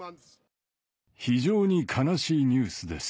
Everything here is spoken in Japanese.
非常に悲しいニュースです。